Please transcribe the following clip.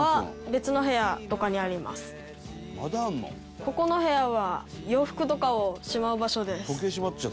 ここの部屋は洋服とかをしまう場所です。